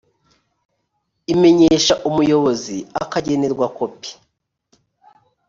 imenyesha umuyobozi akagenerwa kopi .